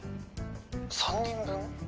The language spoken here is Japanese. ３人分。